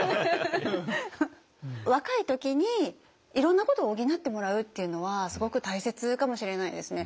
若い時にいろんなことを補ってもらうっていうのはすごく大切かもしれないですね。